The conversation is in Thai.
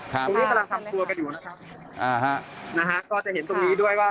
กลางทำตัวกันอยู่นะครับ